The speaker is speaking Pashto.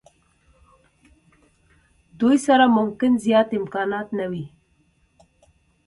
دوی سره ممکن زیات امکانات نه وي.